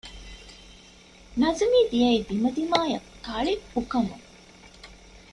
ނަޒުމީ ދިޔައީ ދިމަދިމާއަށް ކަޅިއުކަމުން